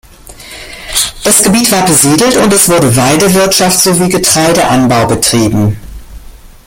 Das Gebiet war besiedelt und es wurde Weidewirtschaft sowie Getreideanbau betrieben.